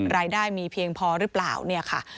รายได้มีเพียงพอหรือเปล่าเนี่ยค่ะ